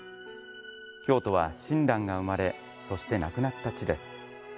京都は、親鸞が生まれそして亡くなった地です。